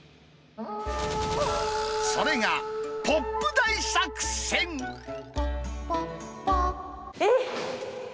それが、えっ！